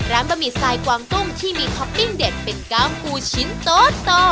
ร้านบะหมิสายกวางตุ้งที่มีคอปปิ้งเด็ดเป็นกามกู้ชิ้นะโตต่อ